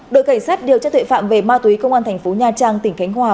đội cảnh sát điều tra tuệ phạm về ma túy công an thành phố nha trang tỉnh khánh hòa